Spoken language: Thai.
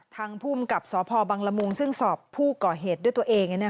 ทางภูมิกับสพบังละมุงซึ่งสอบผู้ก่อเหตุด้วยตัวเอง